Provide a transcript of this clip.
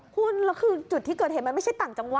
คุณแล้วคือจุดที่เกิดเหตุมันไม่ใช่ต่างจังหวัด